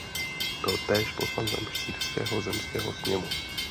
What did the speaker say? Byl též poslancem Štýrského zemského sněmu.